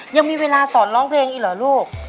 ยังมีเวลาสอนร้องเพลงอีกเหรอลูก